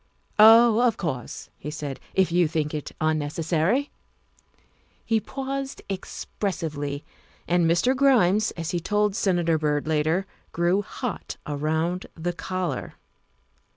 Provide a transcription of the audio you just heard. " Oh, of course," he said, " if you think it unneces sary '' He paused expressively, and Mr. Grimes, as he told Senator Byrd later, grew hot around the collar.